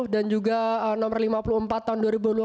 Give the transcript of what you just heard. dan juga nomor lima puluh empat tahun dua ribu dua puluh empat